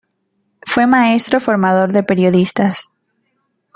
Fue maestro formador de periodistas.